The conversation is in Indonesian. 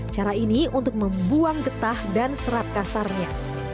cara ini untuk membuang getah dan serat kasarnya